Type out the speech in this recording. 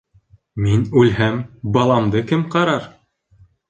Мин үлһәм, баламды кем ҡарар?